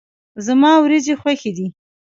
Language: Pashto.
زما وريجي خوښي دي.